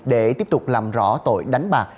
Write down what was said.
để tiếp tục làm rõ tội đánh bạc